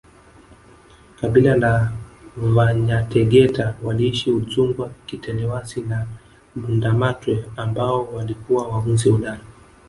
kabila la Vanyategeta waliishi udzungwa kitelewasi na Lundamatwe ambao walikuwa wahunzi hodari